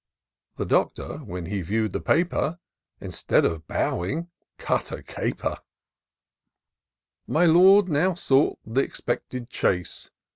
The Doctor, when he view'd the paper. Instead of bowing, cut a caper* My Lord now sought th' expected chase.